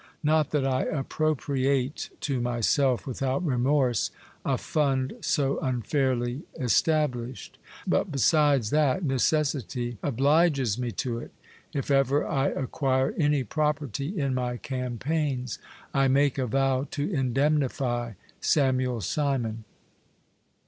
Not that I appropriate to myself without remorse a fund so unfairly established ; but besides that neces sity obliges me to it, if ever I acquire any property in my campaigns, I make a vow to indemnify Samuel Simon.